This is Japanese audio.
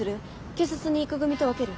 警察に行く組と分ける？